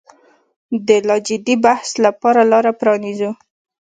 د لا جدي بحث لپاره لاره پرانیزو.